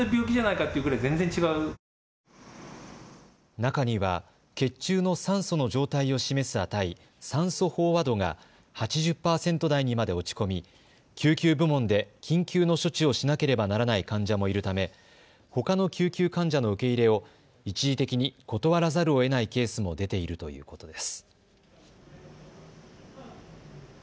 中には血中の酸素の状態を示す値、酸素飽和度が８０％台にまで落ち込み救急部門で緊急の処置をしなければならない患者もいるためほかの救急患者の受け入れを一時的に断らざるをえないケースも出ているということです。